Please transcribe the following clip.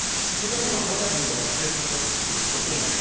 それは２０歳の学生さんだって一緒ですよね。